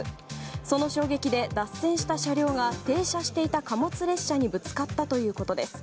その衝撃で脱線した車両が停車していた貨物列車にぶつかったということです。